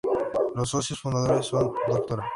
Los socios fundadores son: Dra.